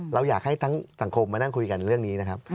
เราอยากให้ทั้งสังคมมานั่งคุยกันเรื่องนี้นะครับ